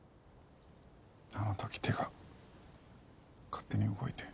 あの時手が勝手に動いて。